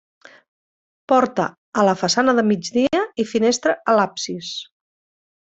Porta a la façana de migdia i finestra a l'absis.